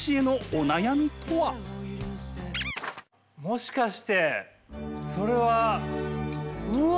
もしかしてそれは。うわ！